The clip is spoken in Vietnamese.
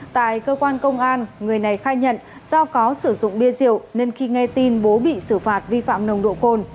tại cơ quan công an người này khai nhận do có sử dụng bia rượu nên khi nghe tin bố bị xử phạt vi phạm nồng độ cồn